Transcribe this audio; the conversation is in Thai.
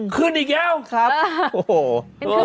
คืนอีกแล้วครับโอ้โฮครับ